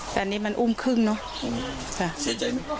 แต่อันนี้มันอุ้มครึ่งเนอะค่ะเสียใจไหม